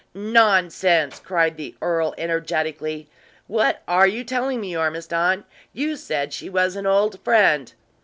"Nonsense!" cried the earl, energetically. "What are you telling me, Ormiston? You said she was an old friend."